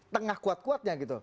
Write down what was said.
tengah kuat kuatnya gitu